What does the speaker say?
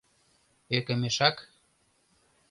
Ӧкымешак...